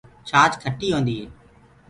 ڇآچ کٽيٚ هوندي هي۔